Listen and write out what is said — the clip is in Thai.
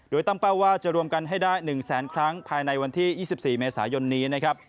โดยตั้งเป้าว่าจะรวมกันให้ได้๑แสนครั้งภายในวันที่๒๔เมษายนนี้นะครับ